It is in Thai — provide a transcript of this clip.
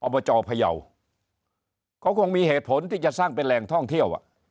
บจพยาวเขาคงมีเหตุผลที่จะสร้างเป็นแหล่งท่องเที่ยว